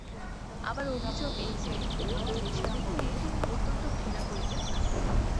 আবার অভিযোগ এই যে, তিনি বেশ্যাদিগকে অত্যন্ত ঘৃণা করিতেন না।